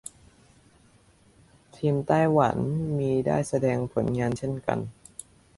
ทีมไต้หวันมีได้แสดงผลงานเช่นกัน